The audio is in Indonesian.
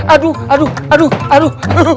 aduh aduh aduh